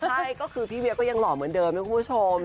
ใช่ก็คือพี่เวียก็ยังหล่อเหมือนเดิมนะคุณผู้ชม